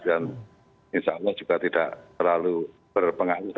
dan insya allah juga tidak terlalu berpengaruh